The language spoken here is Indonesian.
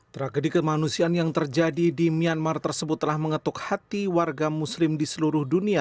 tragedi kemanusiaan yang terjadi di myanmar tersebut telah mengetuk hati warga muslim di seluruh dunia